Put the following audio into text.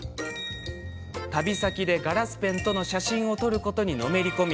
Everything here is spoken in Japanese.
旅先でガラスペンとの写真を撮ることにのめり込み